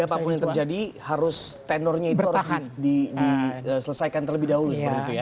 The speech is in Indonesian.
sehingga apapun yang terjadi harus tenornya itu harus diselesaikan terlebih dahulu